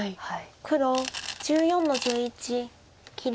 黒１４の十一切り。